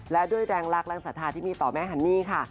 และด้วยแรงรักแรงศรัทธาที่มีต่อแม่ฮันนี่ค่ะ